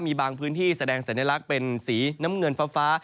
มีบางพื้นที่แสดงสัญลักษณ์เป็นสีน้ำเงินฟ้า